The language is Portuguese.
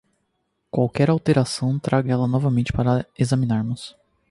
Qualquer alteração traga ela novamente para examinarmos.